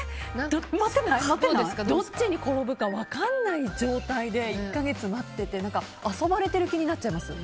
どっちに転ぶか分からない状態で１か月待ってて遊ばれてる気になっちゃいます。